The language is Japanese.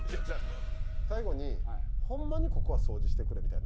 最後にホンマにここは掃除してくれみたいな。